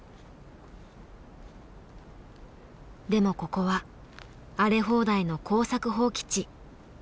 でもここは荒れ放題の耕作放棄地。